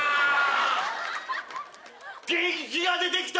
元気が出てきた！